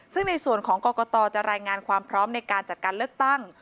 ซึ่งในส่วนของกรกตจะรายงานความพร้อมในการจัดการเลือกตั้ง